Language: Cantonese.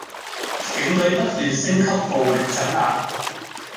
警隊不斷升級暴力鎮壓